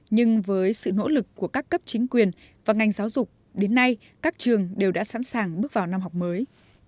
nhưng với sự nỗ lực của các cấp chính quyền và ngành giáo dục đến nay các trường đều đã sẵn sàng bước vào năm học mới